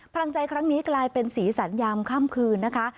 พลังใจครั้งนี้กลายเป็นสีสันยามค่ำคืนนะคะ